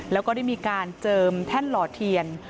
แล้วก็ได้มีการเจิมแท่นหล่อเทียน